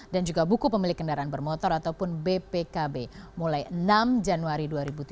dan juga buku pemilik kendaraan bermotor atau bpkb mulai enam januari dua ribu tujuh belas